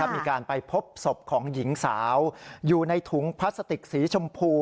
มีการไปพบศพของหญิงสาวอยู่ในถุงพลาสติกสีชมพู